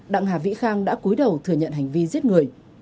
đặng hà vĩ khang đã cuối đầu thừa nhận hành vi giết người